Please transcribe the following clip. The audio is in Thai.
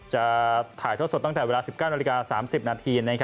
จะถ่ายทดสอบตั้งแต่เวลา๑๙น๓๐น